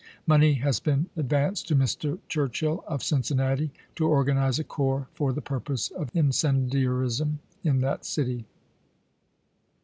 .. Money has been ad vanced to Mr. Churchill of Cincinnati to organize a corps for the purpose of incendiarism in that city.